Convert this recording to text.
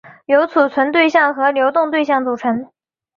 由存储对象和流对象构成。